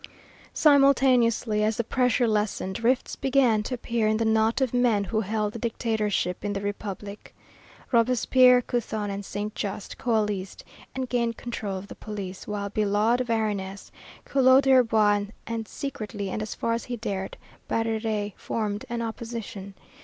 Simultaneously, as the pressure lessened, rifts began to appear in the knot of men who held the Dictatorship in the Republic. Robespierre, Couthon, and Saint Just coalesced, and gained control of the police, while Billaud Varennes, Collot d'Herbois, and, secretly and as far as he dared, Barère, formed an opposition.